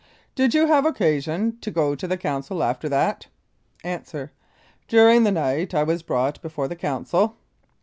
Did you have occasion to go to the Council after that? A. During that night I was brought before the Council.